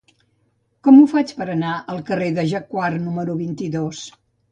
Com ho faig per anar al carrer de Jacquard número vint-i-dos?